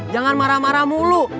jangan marah marah mulu